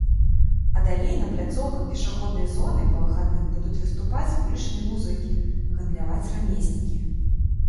А далей на пляцоўках пешаходнай зоны па выхадных будуць выступаць вулічныя музыкі, гандляваць рамеснікі.